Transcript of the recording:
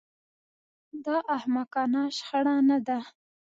دا احمقانه شخړه نه ده